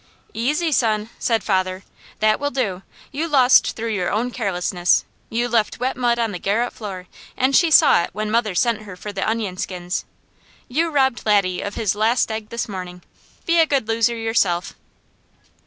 "Easy son!" said father. "That will do. You lost through your own carelessness. You left wet mud on the garret floor, and she saw it when mother sent her for the onion skins. You robbed Laddie of his last egg this morning; be a good loser yourself!"